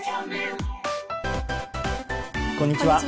こんにちは。